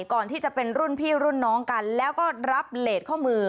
ก่อนที่จะเป็นรุ่นพี่รุ่นน้องกันแล้วก็รับเลสข้อมือ